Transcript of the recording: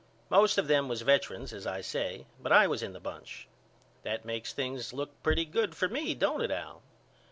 Most of them was vetrans as I say but I was in the bunch. That makes things look pretty good for me don't it Al?